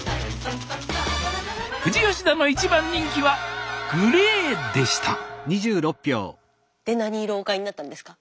富士吉田の一番人気はグレーでしたで何色をお買いになったんですか？